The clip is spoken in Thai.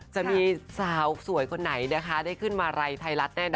จะมีสาวสวยคนไหนนะคะได้ขึ้นมาไรไทยรัฐแน่นอ